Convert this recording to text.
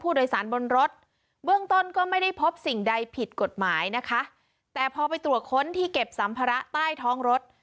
โดยสารบนรถเบื้องต้นก็ไม่ได้พบสิ่งใดผิดกฎหมายนะคะแต่พอไปตรวจค้นที่เก็บสัมภาระใต้ท้องรถ